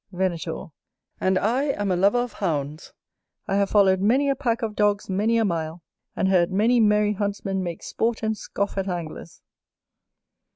Venator. And I am a lover of Hounds; I have followed many a pack of dogs many a mile, and heard many merry Huntsmen make sport and scoff at Anglers.